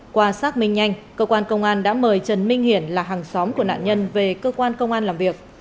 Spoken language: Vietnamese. qua xác minh nhanh cơ quan công an đã mời trần minh hiển là hàng xóm của nạn nhân về cơ quan công an làm việc